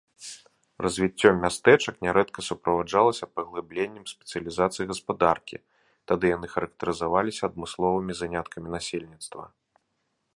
Развіццё мястэчак нярэдка суправаджалася паглыбленнем спецыялізацыі гаспадаркі, тады яны характарызаваліся адмысловымі заняткамі насельніцтва.